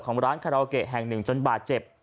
ของร้านคาราโอเกะแห่งหนึ่งจนบาดเจ็บ